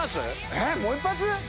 えっもう１発？